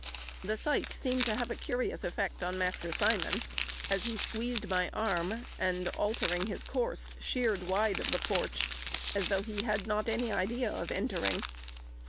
The sight seemed to have a curious effect on Master Simon, as he squeezed my arm, and, altering his course, sheered wide of the porch as though he had not had any idea of entering.